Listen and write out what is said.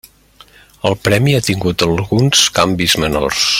El premi ha tingut alguns canvis menors.